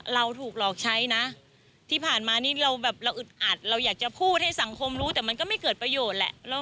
เราถูกหลอกใช้นะที่ผ่านมานี่เราแบบเราอึดอัดเราอยากจะพูดให้สังคมรู้แต่มันก็ไม่เกิดประโยชน์แหละ